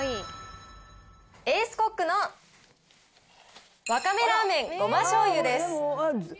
エースコックのわかめラーメンごま・しょうゆです。